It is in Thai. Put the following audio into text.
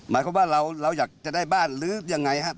หมายความว่าเราอยากจะได้บ้านหรือยังไงครับ